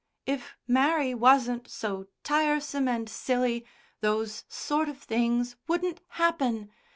"If Mary wasn't so tiresome and silly those sort of things wouldn't happen.